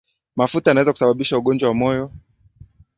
mafuta yanaweza kusababisha ugonjwa wa moyo